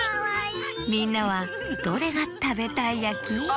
みんなはどれがたべたいやき？